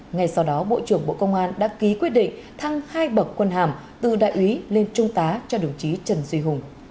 ngay sau đó bộ trưởng bộ công an đã ký quyết định thăng hai bậc quân hàm từ đại úy lên trung tá cho đồng chí trần duy hùng